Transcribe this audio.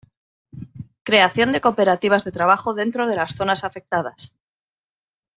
Creación de cooperativas de trabajo dentro de las zonas afectadas.